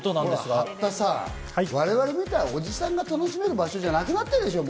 八田さん、我々みたいなおじさんが楽しめる場所じゃもうなくなってるでしょう？